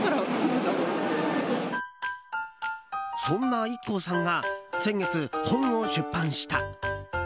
そんなＩＫＫＯさんが先月、本を出版した。